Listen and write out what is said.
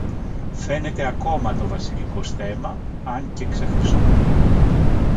Φαίνεται ακόμα το βασιλικό στέμμα, αν και ξεχρυσωμένο.